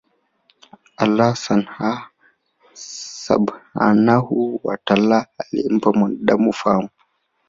Allaah Subhaanahu wa Taala Aliyempa mwanaadamu ufahamu